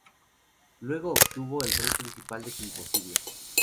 Luego, obtuvo el rol principal de "Kim Possible".